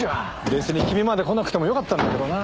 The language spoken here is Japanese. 別に君まで来なくてもよかったんだけどな。